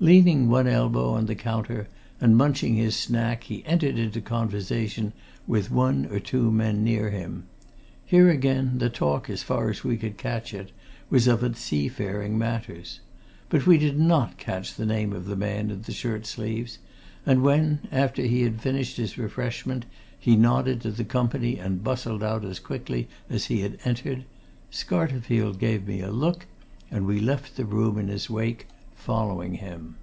Leaning one elbow on the counter and munching his snack he entered into conversation with one or two men near him; here, again, the talk as far as we could catch it, was of seafaring matters. But we did not catch the name of the man in the shirt sleeves, and when, after he had finished his refreshment, he nodded to the company and bustled out as quickly as he had entered, Scarterfield gave me a look, and we left the room in his wake, following him.